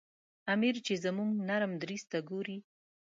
امیر چې زموږ نرم دریځ ته ګوري.